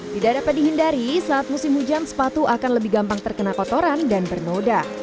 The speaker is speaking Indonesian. tidak dapat dihindari saat musim hujan sepatu akan lebih gampang terkena kotoran dan bernoda